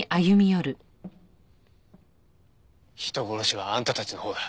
人殺しはあんたたちのほうだ。